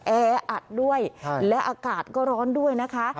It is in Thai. แออัดด้วยและอากาศก็ร้อนด้วยนะคะ